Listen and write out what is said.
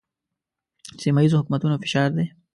سیمه ییزو حکومتونو فشار دی.